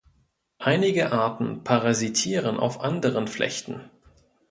Einige Arten parasitieren auf anderen Flechten.